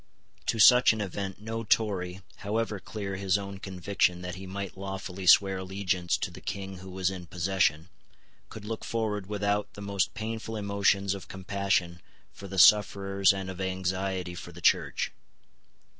To such an event no Tory, however clear his own conviction that he might lawfully swear allegiance to the King who was in possession, could look forward without the most painful emotions of compassion for the sufferers and of anxiety for the Church.